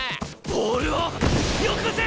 ボールをよこせ！